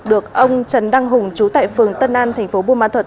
được ông trần đăng hùng trú tại phường tân an thành phố buôn ma thuật